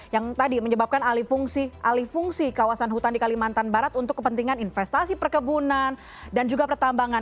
yang tadi menyebabkan alifungsi kawasan hutan di kalimantan barat untuk kepentingan investasi perkebunan dan juga pertambangan